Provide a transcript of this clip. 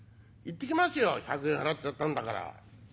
行ってきますよ１００円払っちゃったんだから。